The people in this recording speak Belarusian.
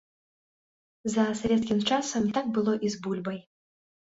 За савецкім часам так было і з бульбай.